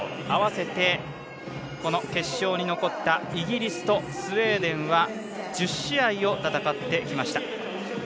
あわせて決勝に残ったイギリスとスウェーデンは１０試合を戦ってきました。